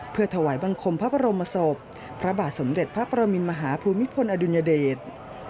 เพื่อถวายบังคมพระบรมศพพระบาทสมเด็จพระประมินมหาภูมิพลอดุลยเดช